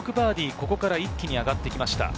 ここから一気に上がってきました。